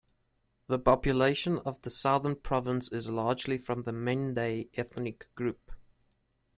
The population of the southern province is largely from the Mende ethnic group.